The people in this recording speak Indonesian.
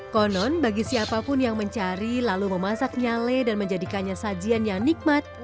konon bagi siapapun yang mencari lalu memasak nyale dan menjadikannya sajian yang nikmat